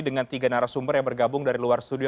dengan tiga narasumber yang bergabung dari luar studio